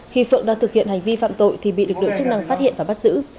khi phượng đang thực hiện hành vi phạm tội thì bị lực lượng chức năng phát hiện và bắt giữ